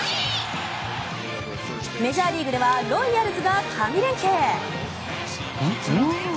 メジャーリーグではロイヤルズが神連係。